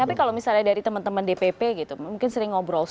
tapi kalau misalnya dari teman teman dpp gitu mungkin sering ngobrol